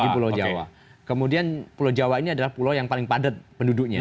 di pulau jawa kemudian pulau jawa ini adalah pulau yang paling padat penduduknya